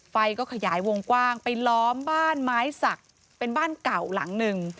ไฟก็ขยายวงกว้างไปล้อมบ้านไม้สักเป็นบ้านเก่าหลังหนึ่ง